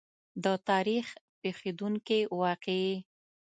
د تاریخ پېښېدونکې واقعې.